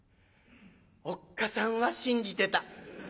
おっ母さんは信じてた。